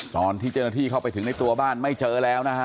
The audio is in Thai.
ตอนที่เจ้าหน้าที่เข้าไปถึงในตัวบ้านไม่เจอแล้วนะฮะ